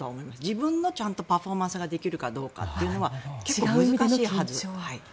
自分のちゃんとパフォーマンスができるかどうかというのは結構難しいはずです。